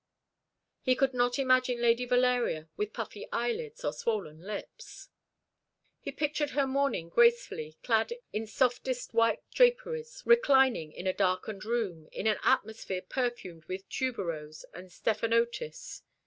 He could not imagine Lady Valeria with puffy eyelids or swollen lips. He pictured her mourning gracefully, clad in softest white draperies, reclining in a darkened room, in an atmosphere perfumed with tuberose and stephanotis.